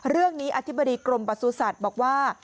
เรื่องนี้อธิบดีกรมประสุทธิ์สัตว์บอกว่า